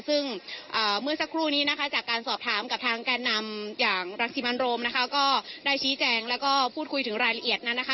ซึ่งเมื่อสักครู่นี้นะคะจากการสอบถามกับทางแก่นำอย่างรังสิมันโรมนะคะก็ได้ชี้แจงแล้วก็พูดคุยถึงรายละเอียดนั้นนะคะ